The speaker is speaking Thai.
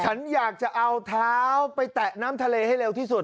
ฉันอยากจะเอาเท้าไปแตะน้ำทะเลให้เร็วที่สุด